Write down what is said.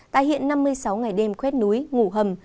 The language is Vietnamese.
tái hiện năm mươi sáu ngày đêm khuét núi ngủ hầm